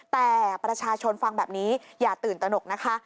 แต่ประชาชนฟังแบบนี้อย่าตื่นตนกนะคะ